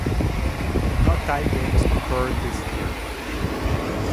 No tie games occurred this year.